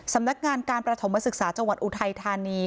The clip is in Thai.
สำนักงานการประถมศึกษาจังหวัดอุทัยธานี